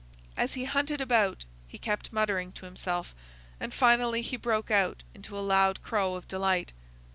As he hunted about, he kept muttering to himself, and finally he broke out into a loud crow of delight.